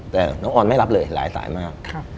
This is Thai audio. แต่น้องออนไม่รับเลยหลายสายมาก